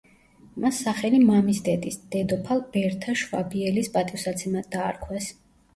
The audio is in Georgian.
მას სახელი მამის დედის, დედოფალ ბერთა შვაბიელის პატივსაცემად დაარქვეს.